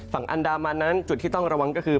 ฝั่งอันดามันนั้นจุดที่ต้องระวังก็คือ